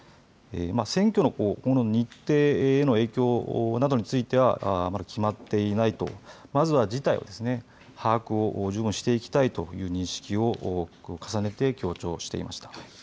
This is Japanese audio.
選挙の日程への影響などについてはまだ決まっていないとまずは事態を把握を十分していきたいという認識を重ねて強調していました。